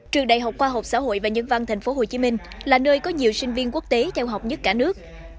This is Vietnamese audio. trường đại học khoa học xã hội và nhân văn tp hcm là nơi có nhiều sinh viên quốc tế theo học nhất cả nước